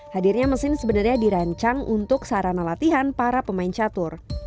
hadirnya mesin sebenarnya dirancang untuk sarana latihan para pemain catur